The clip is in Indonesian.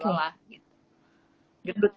lelah gitu gedut